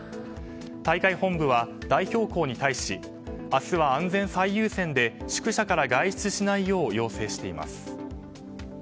大会本部は代表校に対し明日は安全最優先で宿舎から外出しないよう要請しています。